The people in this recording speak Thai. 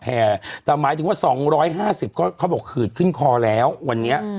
แต่หมายถึงว่า๒๕๐ก็เขาบอกขืดขึ้นคอแล้ววันนี้